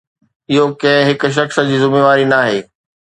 اهو ڪنهن هڪ شخص جي ذميواري ناهي.